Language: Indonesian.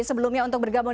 sebelumnya untuk bergabung